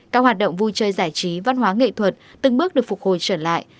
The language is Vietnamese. các hoạt động vui chơi giải trí văn hóa nghệ thuật từng bước được phục hồi trở lại